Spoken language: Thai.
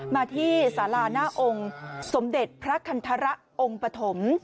มาที่สาราหน้าองค์สมเด็จพระคันทรองค์ปฐม